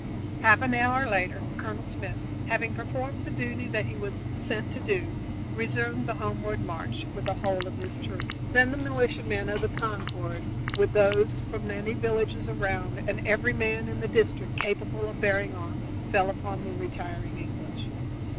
Half an hour later Colonel Smith, having performed the duty that he was sent to do, resumed the homeward march with the whole of his troops. Then the militiamen of Concord, with those from many villages around and every man in the district capable of bearing arms, fell upon the retiring English.